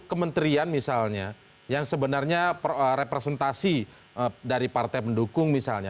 kementerian misalnya yang sebenarnya representasi dari partai pendukung misalnya